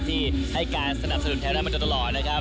ที่ให้การสนับสนุนไทยรัฐมาโดยตลอดนะครับ